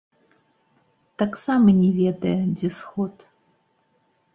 Таксама не ведае, дзе сход.